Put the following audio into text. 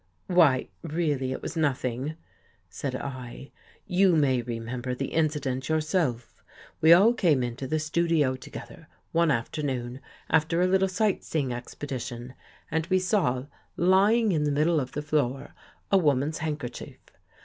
" Why, really it was nothing," said I. " You may remember the incident yourself. We all came into the studio together, one afternoon, after a little sight seeing expedition, and we saw lying in the 29 THE GHOST GIRL middle of the floor, a woman's handkerchief.